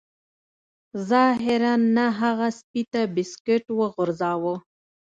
ظاهراً نه هغه سپي ته بسکټ وغورځاوه